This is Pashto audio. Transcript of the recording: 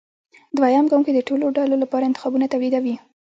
دویم ګام کې د ټولو ډلو لپاره انتخابونه توليدوي.